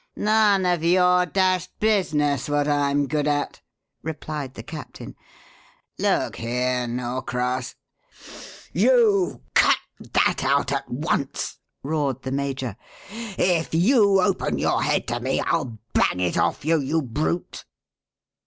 "None of your dashed business what I'm good at," replied the captain. "Look here, Norcross " "You cut that at once!" roared the major. "If you open your head to me, I'll bang it off you, you brute."